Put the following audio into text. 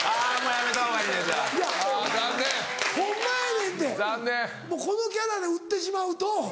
ホンマやねんてもうこのキャラで売ってしまうと。